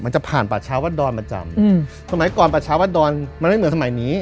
จะผ่านป่าชาววัดดอนประจำอืมสมัยก่อนประชาวัดดอนมันไม่เหมือนสมัยนี้